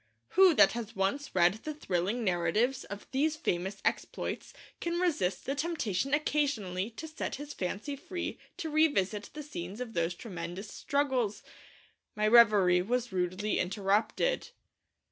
Who that has once read the thrilling narratives of these famous exploits can resist the temptation occasionally to set his fancy free to revisit the scenes of those tremendous struggles? My reverie was rudely interrupted.